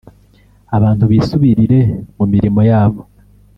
abantu bisubirire mu mirimo yabo